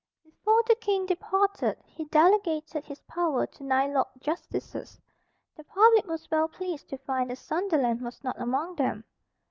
Before the King departed he delegated his power to nine Lords Justices. The public was well pleased to find that Sunderland was not among them.